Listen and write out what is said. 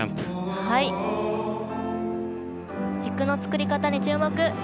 軸の作り方に注目。